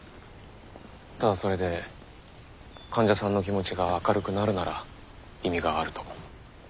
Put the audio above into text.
ただそれで患者さんの気持ちが明るくなるなら意味があると。